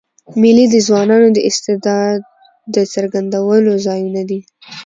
مېلې د ځوانانو د استعدادو د څرګندولو ځایونه دي.